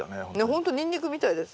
ほんとニンニクみたいです。